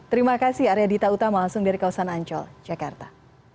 terima kasih arya dita utama langsung dari kawasan ancol jakarta